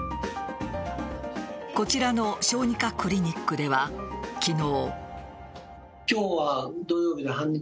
こちらの小児科クリニックでは昨日。